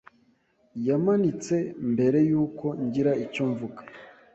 Yamanitse mbere yuko ngira icyo mvuga.